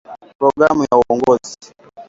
Programu ya uongozi